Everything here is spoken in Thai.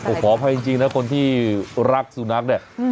โอ้โหพอให้จริงจริงนะคนที่รักสุนัขเนี่ยอืม